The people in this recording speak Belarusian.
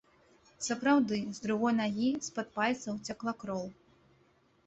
Сапраўды, з другой нагі, з-пад пальцаў, цякла кроў.